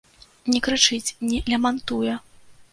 Не крычыць, не лямантуе.